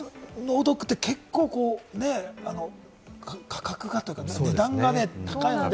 脳ドックって結構、価格がというか、値段が高いので。